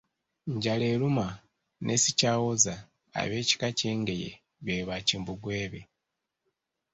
Njaleeruma ne Sikyawoza ab'ekika ky'Engeye be Bakimbugwe be.